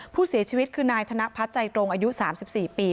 ผู้เสียชีวิตคือนายธนพัฒน์ใจตรงอายุ๓๔ปี